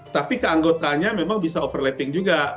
tapi keanggotanya memang bisa overlapping juga